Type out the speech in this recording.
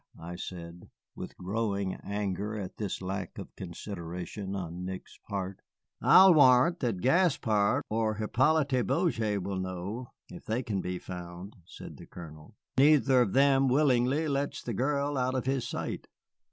I said, with growing anger at this lack of consideration on Nick's part. "I'll warrant that Gaspard or Hippolyte Beaujais will know, if they can be found," said the Colonel. "Neither of them willingly lets the girl out of his sight."